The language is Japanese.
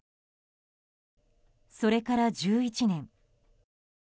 それから１１年。